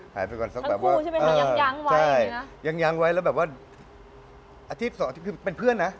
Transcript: ไปก่อนสักแบบว่ายังใช่ยังไว้แล้วแบบว่าอาชีพสองอาทิตย์คือเป็นเพื่อนนะ